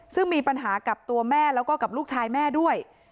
ซึ่งมีปัญหากับตัวแม่แล้วก็กับลูกชายแม่ด้วย